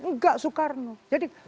tidak soekarno jadi